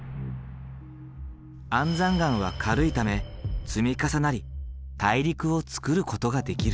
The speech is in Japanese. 安山岩は軽いため積み重なり大陸をつくることができる。